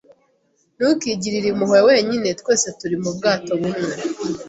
Ntukigirire impuhwe wenyine. Twese turi mubwato bumwe.